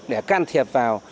để can thiệp vào